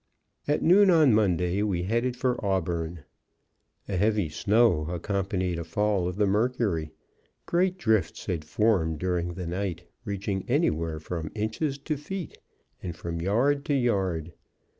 At noon on Monday we headed for Auburn. A heavy snow accompanied a fall of the mercury. Great drifts had formed during the night, reaching anywhere from inches to feet, and from yard to yard.